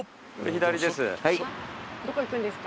左です。